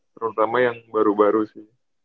terutama yang baru baru sih